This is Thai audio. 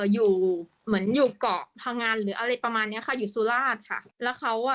อยู่เหมือนอยู่เกาะพังอันหรืออะไรประมาณเนี้ยค่ะอยู่สุราชค่ะแล้วเขาอ่ะ